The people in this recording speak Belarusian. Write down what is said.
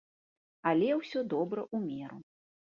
Але ўсё добра ў меру.